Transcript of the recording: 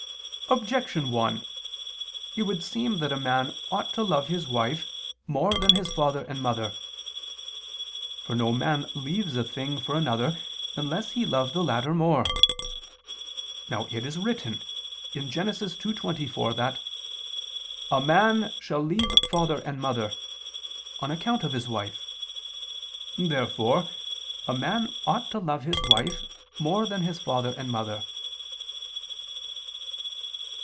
Objection 1: It would seem that a man ought to love his wife more than his father and mother. For no man leaves a thing for another unless he love the latter more. Now it is written (Gen. 2:24) that "a man shell leave father and mother" on account of his wife. Therefore a man ought to love his wife more than his father and mother.